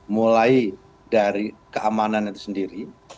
mulai dari keamanan itu sendiri